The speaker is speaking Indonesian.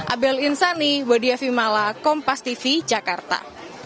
abel insani wadi afimala kompastv jakarta